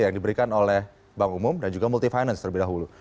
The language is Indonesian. yang diberikan oleh bank umum dan juga multi finance terlebih dahulu